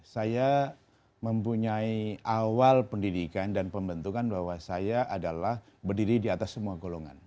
saya mempunyai awal pendidikan dan pembentukan bahwa saya adalah berdiri di atas semua golongan